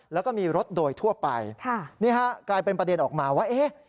แล้วก็มีรถโดยทั่วไปค่ะนี่ฮะกลายเป็นประเด็นออกมาว่าเอ๊ะ